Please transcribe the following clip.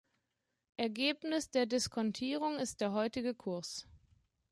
Ergebnis der Diskontierung ist der heutige Kurs.